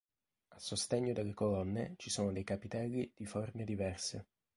A sostegno delle colonne ci sono dei capitelli di forme diverse.